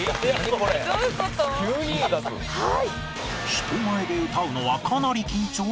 人前で歌うのはかなり緊張するもの